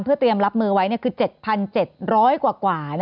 เพื่อเตรียมรับมือไว้คือ๗๗๐๐กว่า